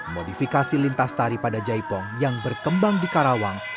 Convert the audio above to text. modifikasi lintas tari pada jaipong yang berkembang di karawang